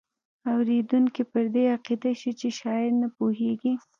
اوریدونکی پر دې عقیده شي چې شاعر نه پوهیږي.